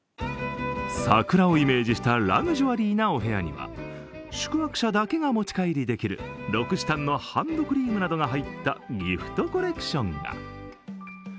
桜をイメージしたラグジュアリーなお部屋には宿泊者だけが持ち帰りできるロクシタンのハンドクリームなどが入ったギフトコレクションが。